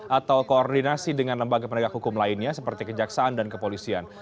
atau koordinasi dengan lembaga penegak hukum lainnya seperti kejaksaan dan kepolisian